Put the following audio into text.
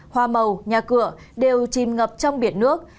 hoa màu nhà cửa đều chìm ngập trong biển nước